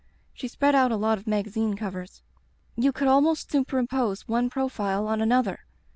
She spread out a lot of magazine covers. 'You could almost superimpose one profile on another.